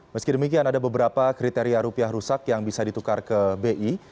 meski demikian ada beberapa kriteria rupiah rusak yang bisa ditukar ke bi